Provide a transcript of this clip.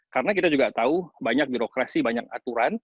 karena kita juga tahu banyak birokrasi banyak aturan